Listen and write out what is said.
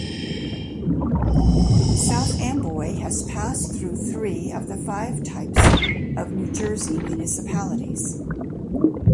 South Amboy has passed through three of the five types of New Jersey municipalities.